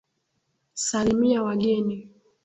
Salimia wageni.